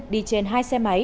đi trên hai xe máy